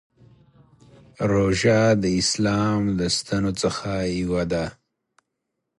روژه د اسلام د ستنو څخه یوه ده.